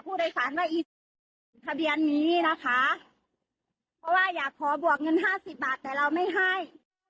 เพราะว่าอยากขอบวกเงิน๕๐บาทแต่เราไม่ให้